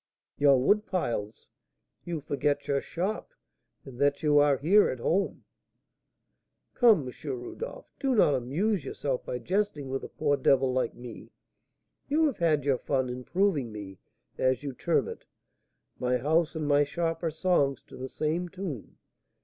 "Your wood piles! You forget your shop, and that you are here at home!" "Come, M. Rodolph, do not amuse yourself by jesting with a poor devil like me; you have had your fun in 'proving' me, as you term it. My house and my shop are songs to the same tune.